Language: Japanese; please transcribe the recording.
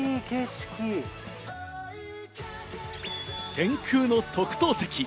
天空の特等席。